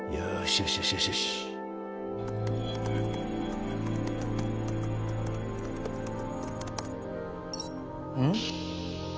よしよしよしよしうん？